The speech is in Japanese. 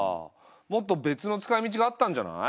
もっと別の使いみちがあったんじゃない？